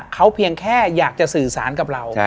เขาเพียงแค่อยากจะสื่อสารกับเรา